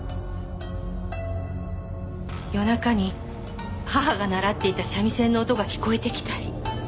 夜中に義母が習っていた三味線の音が聞こえてきたり。